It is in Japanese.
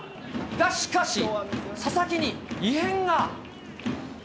が、しかし、佐々木に異変が。